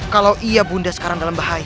kalau iya bunda sekarang dalam bahaya